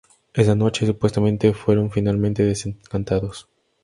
Esa noche, supuestamente, fueron finalmente desencantados.